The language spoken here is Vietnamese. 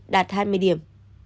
đạt hai mươi điểm